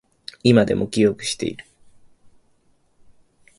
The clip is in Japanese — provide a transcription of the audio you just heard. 今でも記憶している